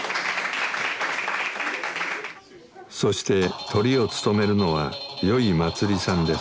そしてトリを務めるのはよいまつりさんです。